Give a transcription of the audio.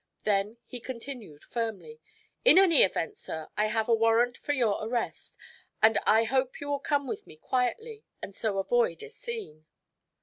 Then he continued firmly: "In any event, sir, I have a warrant for your arrest, and I hope you will come with me quietly and so avoid a scene."